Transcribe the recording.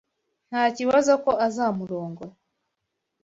Ntakibazo ko azamurongora.